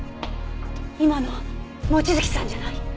今の望月さんじゃない？